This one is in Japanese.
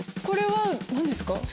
これは何ですか？